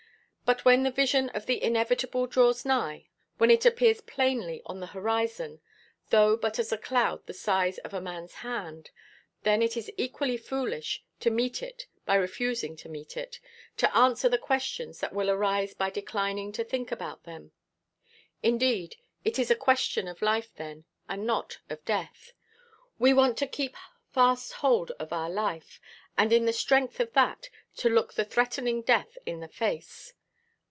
But when the vision of the inevitable draws nigh, when it appears plainly on the horizon, though but as a cloud the size of a man's hand, then it is equally foolish to meet it by refusing to meet it, to answer the questions that will arise by declining to think about them. Indeed, it is a question of life then, and not of death. We want to keep fast hold of our life, and, in the strength of that, to look the threatening death in the face.